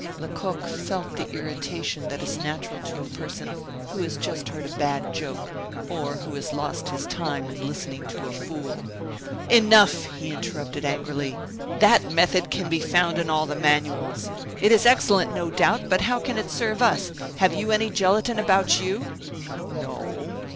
Lecoq felt the irritation that is natural to a person who has just heard a bad joke, or who has lost his time in listening to a fool. "Enough!" he interrupted, angrily. "That method can be found in all the manuals. It is excellent, no doubt, but how can it serve us? Have you any gelatine about you?" "No."